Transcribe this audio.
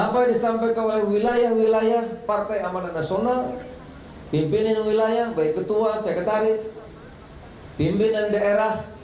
pada wilayah wilayah partai amarat nasional pimpinan wilayah baik ketua sekretaris pimpinan daerah